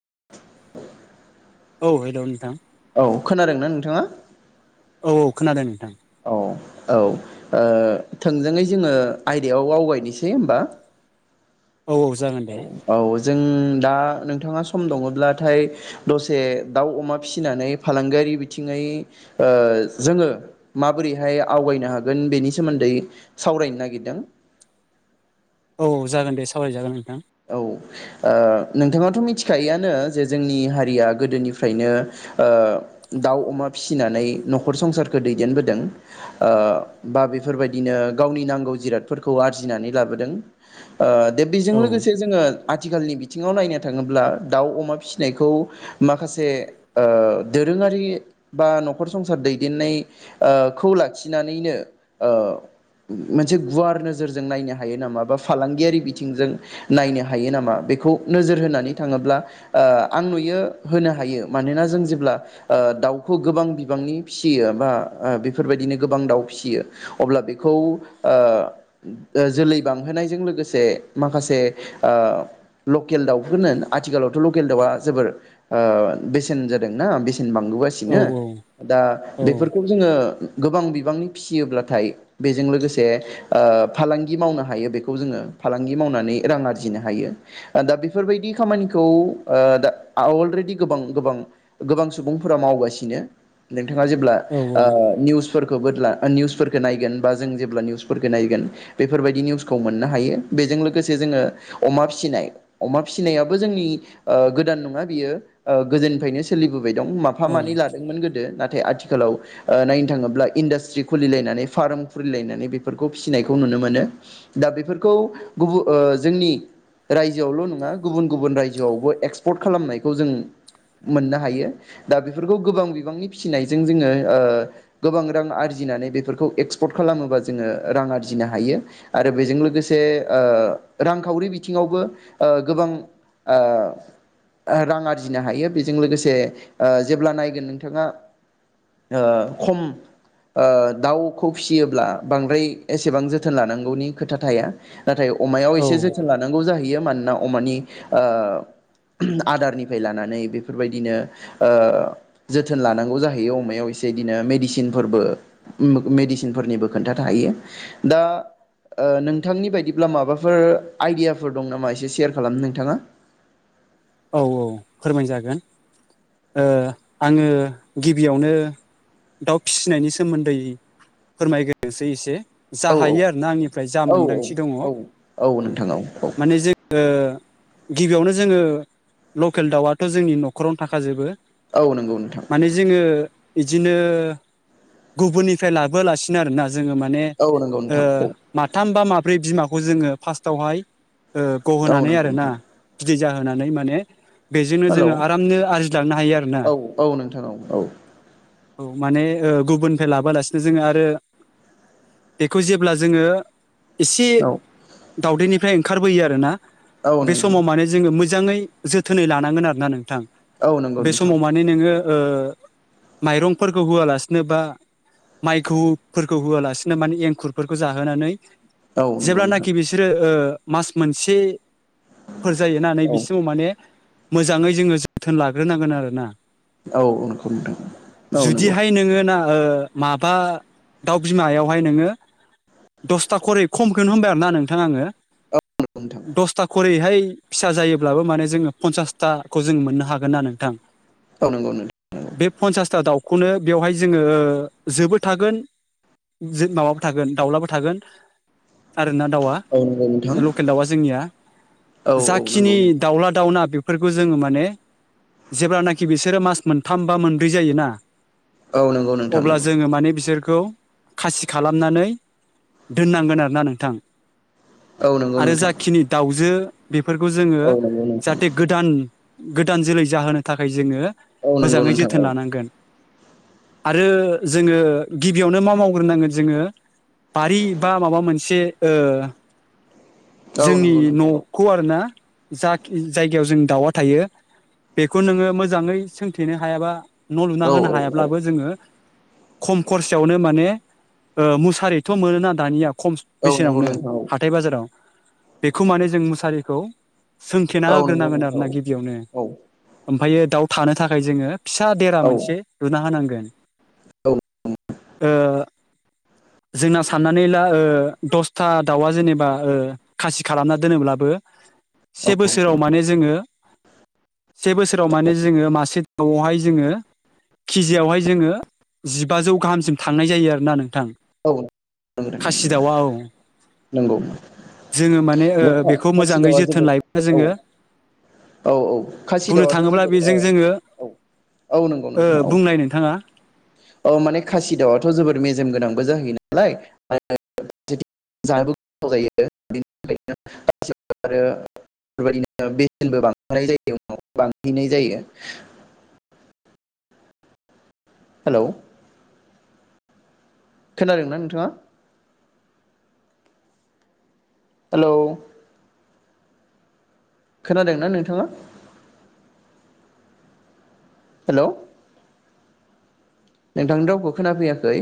[inaudible] औ हेल' नोंथां औ खोनादोंना नोंथाङा? औ औ खोनादों नोंथां। औ औ ओ थोंजोङै जोङो आयदायाव आवगायनोसै होनबा। औ औ जागोन दे। जों दा नोंथाङा सम दङब्लाथाय दसे दाउ अमा फिसिनानै फालांगियारि बिथिङै ओ जोङो माबोरैहाय आवगायनो हागोन बेनि सोमोन्दै सावरायनो नागिरदों। औ जागोन दे सावरायजागोन नोंथां। औ ओ नोंथाङाथ' मिथिखायोयानो जे जोंनि हारिया गोदोनिफ्रायनो ओ दाउ अमा फिसिनानै न'खर संसारखौ दैदेनबोदों ओ बा बेफोरबायदिनो गावनि नांगौ जिरादफोरखौ आरजिनानै लाबोदों। ओ दे बेजों औ लोगोस आथिखालनि बिथिङाव नायनो थाङोब्ला दाउ अमा फिसिनायखौ माखासे ओ दोरोङारि बा न'खर संसार दैदेननाय ओ खौ लाखिनानैनो ओ मोनसे गुवार नोजोरजों नायनो हायो नामा बा फालांगियारि बिथिंजों नायनो हायो नामा बेखौ नोजोर होनानै थाङोब्ला ओ आं नुयो होनो हायो मानोना जों जेब्ला ओ दाउखौ गोबां बिबांनि फिसियो बा बेफोरबायदिनो गोबां दाउ फिसियो अब्ला बेखौ ओ जोलै बांहोनायजों लोगोसे माखासे ओ लकेल दाउफोरनो आथिखालावथ' लकेल दाउआ जोबोर ओ बेसेन जादोंना बे सेन औ बांबोगासिनो औ दा औ बेफोरखौ जोङो गोबां बिबांनि फिसियोब्लाथाय बेजों लोगोसे ओ फालांगि मावनो हायो बेखौ जोङो फालांगि मावनानै रां आरजिनो हायो दा बेफोरबायदि खामानिखौ ओ दा अलरेडि गोबां गोबां गोबां सुबुंफोरा मावगासिनो नों थाङा जेब्ला औ ओ निउसफोर खौ ब्ला निउसफोरखौ नायगोन बा जों जेब्ला निउसफोरखौ नायगोन बेफोरबायदि निउसखौ मोननो हायो बेजों लोगोसे जोङो अमा फिसिनाय अमा फिसिनायाबो जोंनि ओ गोदान नङा बियो ओ गोदोनिफ्रायनो सोलिबो बाय दं माफा औ मानै लादोंमोन गोदो ना थाय आथिखालाव ओ नायनो थाङोब्ला इन्डास्ट्रि खुलिलायनानै फार्म खुलिलायनानै बेफोरखौ फिसिनायखौ नुनो मोनो दा बेफोरखौ गुबुन ओ जोंनि रायजोआवल' नङा गुबुन गुबुन रायजोआवबो एक्सपर्ट खालामनायखौ जों मोननो हायो दा बेफोरखौ गोबां बिबांनि फिसिनायजों जोङो ओ गोबां रां आरजिनानै बेफोरखौ एक्सपर्ट खालामोबा जोङो रां आरजिनो हायो आरो बेजों लोगोसे ओ रांखावरि बिथिङावबो ओ गोबां ओ रां आरजिनो हायो बेजों लोगोसे ओ जेब्ला नायगोन नोंथाङा ओ खम ओ दाउखौ फिसियोब्ला बांद्राय एसेबां जोथोन लानांगौनि खोथा थाया नाथाय अमायाव औ एसे जोथोन लानांगौ जाहैयो मानो ना अमानि ओ आदारनिफ्राय लानानै बेफोरबायदिनो ओ जोथोन लानांगौ जाहैयो अमायाव एसे इदिनो मेदिसिनफोरबो उम मेदिसिनफोरनिबो खोथा थायो दा ओ नोंथांनि बादि ब्ला माबाफोर आइदियाफोर दं नामा एसे सेयार खालामनो नोंथाङा? औ औ फोरमायजागोन ओ आंङो गिबियावनो दाउ फिसिनायनि सोमोन्दै फोरमायग्रोनोसै एसे। जा औ औ हायो आरो ना आंनिफ्राय जा औ मोनदांथि दङ औ औ नोंथां औ माने जोङो गिबियावनो जोङो लकेल दाउआथ' जोंनि न'खरावनो थाखाजोबो। औ नंगौ नोंथां माने जोङो इदिनो गुबुननिफ्राय लाबोआलासिनो आरोना जोङो माने औ नंगौ ओ नोंथां औ माथाम बा मा ब्रै बिमाखौ जोङो फार्स्टआवहाय ओ औ गहोनानै नंगौ आरो ना नोंथां भिजा होनानै माने [inaudible] बेजोंनो हेलौ जोङो आरामनो आरजिलांनो हायो आरो ना। औ औ नोंथां औ औ औ माने ओ गुबुननिफ्राय लाबोआलासिनो जोङो आरो बेखौ जेब्ला जोङो एसे दावदैनि फ्राय ओंखारबोयो आरो ना। औ बे नोंथां समाव माने जोङो मोजा मोजाङै जोथोनै लानांगोन आरो ना नोंथां। औ नंगौ बे नोंथां समाव माने नोङो ओ माइरंफोरखौ होआलासिनो बा माइखौफोरखौ होआलासिनो माने एंखुरफोरखौ जाहोनानै औ नंगौ नोंथां जेब्लानाखि बिसोरो ओ मास मोनसे फोर जायो ना नै औ बिसिमाव माने मोजाङै जोङो जोथोन लाग्रोनांगोन आरोना। औ औ नंगौ नोंथां औ नंगौ। जुदिहाय नोङो ना ओ माबा दाउ बिमायावहाय नोङो दसथा खरै खमखौनो होनबाय आरोना नोंथां आङो। दसथा खरैहाय फिसा जायोब्लाबो माने जोङो फनसासथाखौ जों मोननो हागोन ना नोंथां। औ नंगौ नोंथां औ नंगौ नोंथां बे फन्सासथ दाउ नो बेवहाय जोङो ओ जोबो थागोन माबाबो थागोन माब्लाबो दाउलाबो थागोन। जोंना दाउआ औ नंगौ नोंथां लकेल दाउआ जोंनिया औ नंगौ जाखिनि नोंथां दाउला दाउना बेफोरखौ जोङो माने जेब्लानाखि बिसोरो मास मोनथाम बा मोनब्रै जायोना औ नंगौ नोंथां अब्ला नंगौ जोङो माने बिसोर खौ खासि खालामनानै दोननांगोन आरो ना नोंथां। औ नंगौ आरो नोंथां जाखिनि दाउजो बेफोरखौ जोङो औ नंगौ नोंथां जाथे गोदान गोदान जोलै जाहोनो थाखाय जोङो औ नंगौ मोजाङै नोंथां जोथोन औ। लानांगोन आरो जोङो गिबियावनो मा मावग्रोनांगोन जोङो बारि बा माबा मोनसे ओ औ जोंनि नंगौ नोंथां औ न'खौ आरोना जाखि जायगायाव जों दाउआ थायो बेखौ नोङो मोजाङै सोंथेनो हायाबा न' लुना औ होनो औ हायाब्लाबो जोङो खम खरसायावनो माने मुसारिथ' मोनोना दानिया खम औ नंगौ बेसेनावनो नोंथां हाथाय बाजाराव बेखौ माने जों मुसारिखौ सो थेना औ नंगौ होग्रोनांगोन आरो नोंथां ना औ गिबियावनो ओमफ्रायायो दाउ थानो थाखाय जोङो फिसा देरा औ मोनसे लुना होनांगौ औ [inaudible] ओ जोंना साननानै ला ओ दसथा दाउआ जेनेबा ओ खासि खालामना दोनोब्लाबो औ से बोसोराव माने जोङो से बोसोराव माने जोङो मासे दाउआवहाय जोङो केजियावहाय जोङो जिबाजौ गाहामसिम थांनाय जायो आरोना थां औ खासि दावा औ नंगौ जोङो माने ओ बेखौ मोजाङै खासिदावा जोथोन जोबोर लायोबा औ औ औ बुंनो खासिदाउआथ' थाङोब्ला जोबोर औ बेजों जोङो औ औ नंगौ ओ नोंथाङा औ बुंलाय नोंथाङा औ माने खासि दाउआथ' जोबोर मेजेम गोन जयो नालाय ज गो ज बिनि थाखायनो बेनो बेसेनबो बानाय जायो बांहैनाय जायो हेल' खोनादोंना नोंथाङा हेलौ खोनादोंना नोंथाङा? हेल' नोंथांनि रावखौ खोनाफैयाखै